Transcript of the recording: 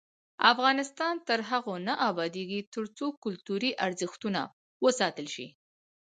افغانستان تر هغو نه ابادیږي، ترڅو کلتوري ارزښتونه وساتل شي.